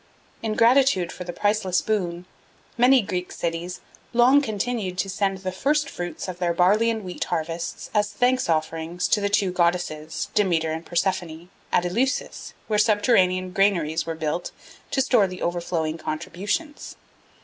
In gratitude for the priceless boon many Greek cities long continued to send the first fruits of their barley and wheat harvests as thank offerings to the Two Goddesses, Demeter and Persephone, at Eleusis, where subterranean granaries were built to store the overflowing contributions.